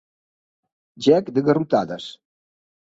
Gec de garrotades.